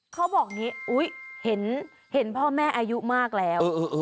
เขาบอกอย่างนี้อุ๊ยเห็นพ่อแม่อายุมากแล้ว